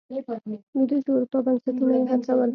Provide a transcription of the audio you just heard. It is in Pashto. لوېدیځې اروپا بنسټونه یې هڅول.